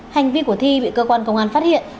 hành vi của thi bị cơ quan công an phát hiện